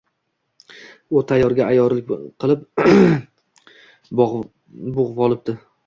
U tayyorga ayyorlik qilib bo‘g‘volipti.